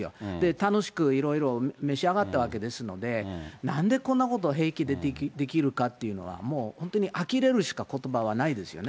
楽しくいろいろ召し上がったわけですので、なんでこんなことを平気でできるかっていうのは、もう本当にあきれるしかことばはないですよね。